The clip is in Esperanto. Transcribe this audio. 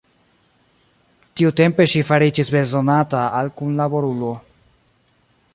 Tiutempe ŝi fariĝis bezonata al kunlaborulo.